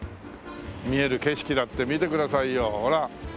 見える景色だって見てくださいよほら。